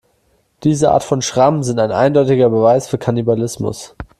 Diese Art von Schrammen sind ein eindeutiger Beweis für Kannibalismus.